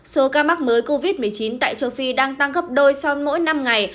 số ca mắc mới covid một mươi chín tại châu phi đang tăng gấp đôi sau mỗi năm ngày